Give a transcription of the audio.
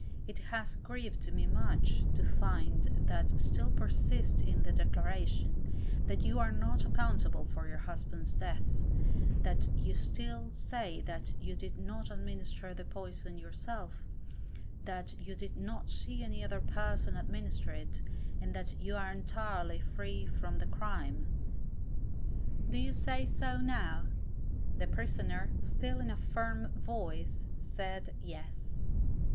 It has grieved me much to find that still persist in the declaration, that you are not accountable for your husband's death; that you still say that you did not administer the poison yourself; that you did not see any other person administer it, and that you are entirely free from the crime. Do you say so, now? The Prisoner, still in a firm voice, said, Yes.